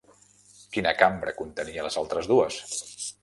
Quina cambra contenia les altres dues?